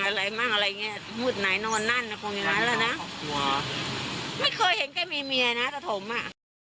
เอกยังเป็นอย่างนั้นจริงหรือเปล่าครับอ่า